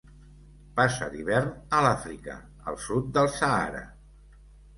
Passa l'hivern a l'Àfrica, al sud del Sàhara.